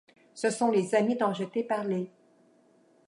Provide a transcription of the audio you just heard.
Ce sont les amis dont je t’ai parlé !